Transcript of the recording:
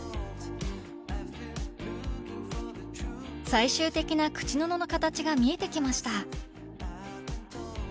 最終的な口布の形が見えてきました